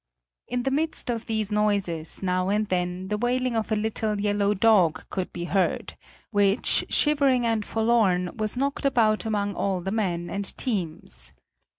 In the midst of these noises, now and then, the wailing of a little yellow dog could be heard, which, shivering and forlorn, was knocked about among all the men and teams.